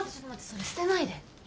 それ捨てないで。